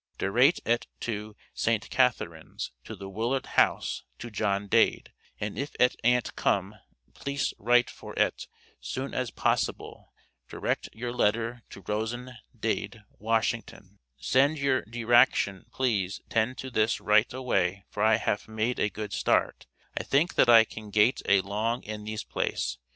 Derate et to St. Catharines to the willard house to John Dade and if et ant come plice rite for et soon as posable deract your letter to Rosenen Dade Washington send your deraction please tend to this rite a way for I haf made a good start I think that I can gate a longe en this plase.